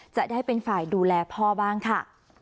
จะได้เป็นฝ่ายดูแลพ่อบ้างค่ะ